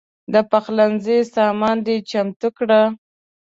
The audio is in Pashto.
د پخلنځي سامان دې چمتو کړه.